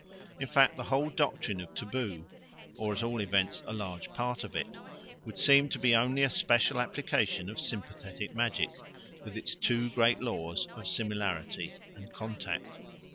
In fact the whole doctrine of taboo, or at all events a large part of it, would seem to be only a special application of sympathetic magic, with its two great laws of similarity and contact.